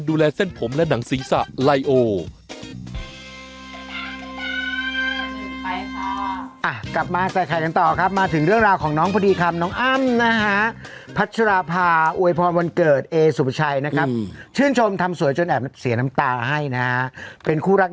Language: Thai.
กลับมาไซเฉียร์กันต่อครับมาถึงเรื่องราวของน้องพดีคลำน้องอั้มนะคะพระชรภาโอยพรมันเกิดเซสุประชัยนะครับชื่นชมทำสวยจนแอบเสียน้ำตาให้นะครับ